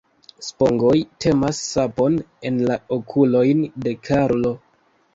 Spongoj metas sapon en la okulojn de Karlo..